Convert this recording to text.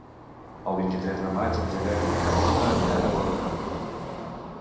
El vint-i-tres de maig en Gerard i na Carlota aniran a Gorga.